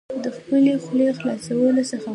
د خپلې خولې خلاصولو څخه مخکې